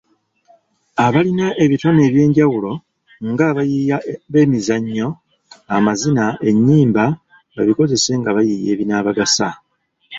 Abalina ebitone eby'enjawulo nga abayiiya b'emizannyo, amazina, ennyimba babikozese nga bayiiya ebinaabagasa.